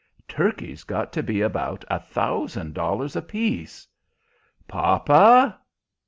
Turkeys got to be about a thousand dollars apiece "Papa!"